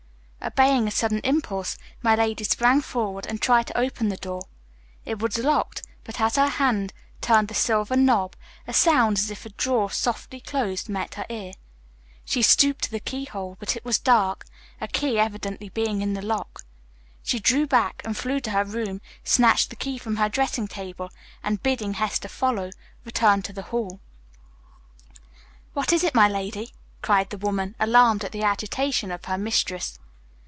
Obeying a sudden impulse, my lady sprang forward and tried to open the door. It was locked, but as her hand turned the silver knob a sound as if a drawer softly closed met her ear. She stooped to the keyhole but it was dark, a key evidently being in the lock. She drew back and flew to her room, snatched the key from her dressing table, and, bidding Hester follow, returned to the hall. "What is it, my lady?" cried the woman, alarmed at the agitation of her mistress.